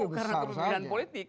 ya tentu karena kepemimpinan politik